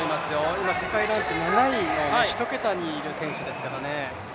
今、世界ランク７位の１桁にいる選手ですからね。